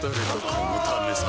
このためさ